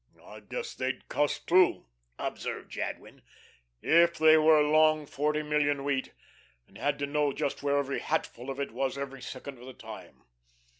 "I guess they'd cuss, too," observed Jadwin, "if they were long forty million wheat, and had to know just where every hatful of it was every second of the time.